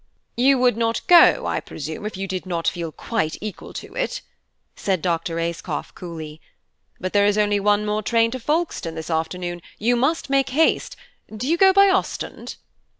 "You would not go, I presume, if you did not feel quite equal to it," said Dr. Ayscough coolly. "But there is only one more train to Folkestone this afternoon–you must make haste. Do you go by Ostend?"